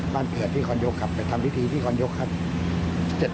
บ้านเผือดที่คลอนโยคครับไปทำพิธีที่คลอนโยคครับ๗วันครับ